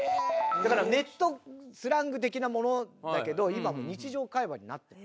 だからネットスラング的なものだけど今もう日常会話になってる。